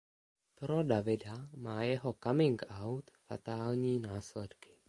Pro Davida má jeho coming out fatální následky.